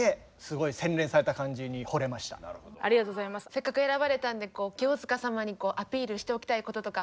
せっかく選ばれたんで清塚様にアピールしておきたいこととか。